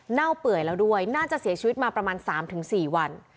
เน่าเปื่อยแล้วด้วยน่าจะเสียชีวิตมาประมาณ๓๔วัน